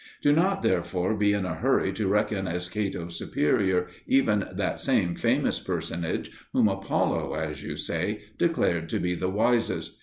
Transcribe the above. Do not therefore be in a hurry to reckon as Cato's superior even that same famous personage whom Apollo, as you say, declared to be "the wisest."